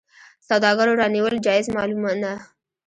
سوداګرو رانیول جایز مالونه.